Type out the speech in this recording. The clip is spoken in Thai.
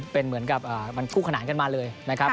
เป็นเหมือนกับมันคู่ขนานกันมาเลยนะครับ